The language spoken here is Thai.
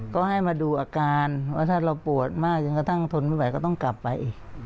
ก็ให้มาดูอาการว่าถ้าเราปวดมากจนกระทั่งทนไม่ไหวก็ต้องกลับไป